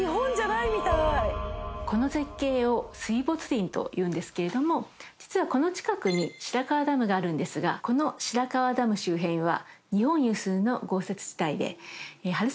この絶景を。というんですけれども実はこの近くに白川ダムがあるんですがこの白川ダム周辺は。